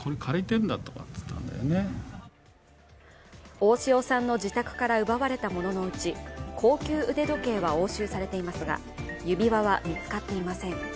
大塩さんの自宅から奪われた物のうち高級腕時計は押収されていますが、指輪は見つかっていません。